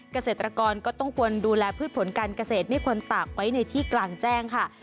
เกษตรกรก็ต้องควรดูแลพืชผลการเกษตรไม่ควรตากไว้ในที่กลางแจ้งค่ะ